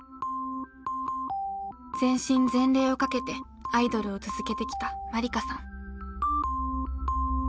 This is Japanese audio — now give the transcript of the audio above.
全身全霊を懸けてアイドルを続けてきたまりかさん。